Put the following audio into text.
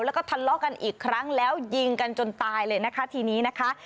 แล้วก็ทะเลาะกันอีกครั้งแล้วยิงกันจนตายเลยนะคะทีนี้นะคะ